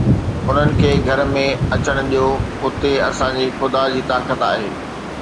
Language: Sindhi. انهن کي گهر ۾ اچڻ ڏيو، اتي اسان جي خدا جي طاقت آهي